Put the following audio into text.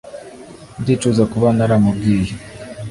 Ndicuza kuba naramubwiye